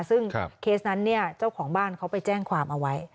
ซึ่งเคสนั้นเนี่ยเจ้าของบ้านเขาไปแจ้งความเอาไว้